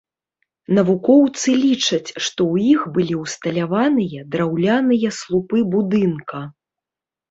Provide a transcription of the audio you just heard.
Навукоўцы лічаць, што ў іх былі ўсталяваныя драўляныя слупы будынка.